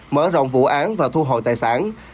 mở rộng vụ án và thu hồi tài sản